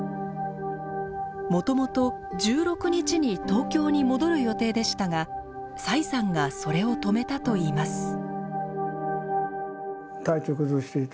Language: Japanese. もともと１６日に東京に戻る予定でしたが崔さんがそれを止めたといいます。